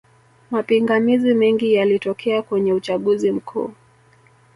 mapingamizi mengi yalitokea kwenye uchaguzi mkuu